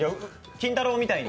金太郎みたいに。